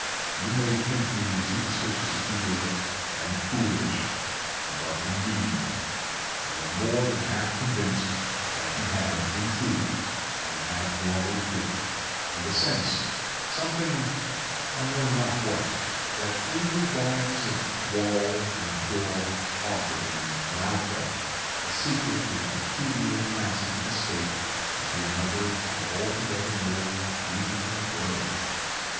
You may think me superstitious if you will, and foolish; but, indeed, I am more than half convinced that he had in truth, an abnormal gift, and a sense, something—I know not what—that in the guise of wall and door offered him an outlet, a secret and peculiar passage of escape into another and altogether more beautiful world.